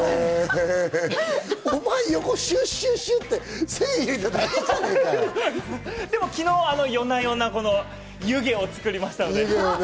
お前、横でシュッシュッシュ昨日、夜な夜な湯気を作りましたので。